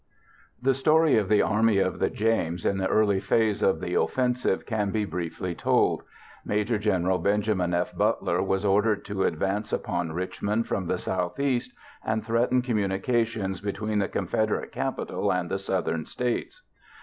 The story of the Army of the James in the early phase of the offensive can be briefly told. Maj. Gen. Benjamin F. Butler was ordered to advance upon Richmond from the southeast and threaten communications between the Confederate capital and the Southern States.